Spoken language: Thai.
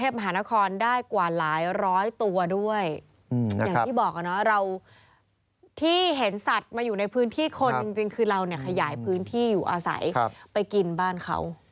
จริงคือเราเนี่ยขยายพื้นที่อยู่อาศัยไปกินบ้านเขา